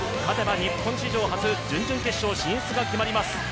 勝てば日本史上初準々決勝進出が決まります。